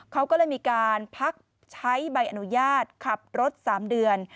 เขาก็เลยมีการพักใช้ใบอนุญาตขับรถ๓เดือน